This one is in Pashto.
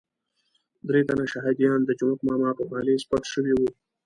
درې تنه شهادیان د جومک ماما په پالیز پټ شوي وو.